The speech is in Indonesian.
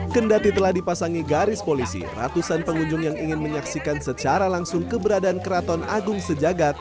kendati telah dipasangi garis polisi ratusan pengunjung yang ingin menyaksikan secara langsung keberadaan keraton agung sejagat